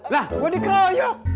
lah gua dikeroyok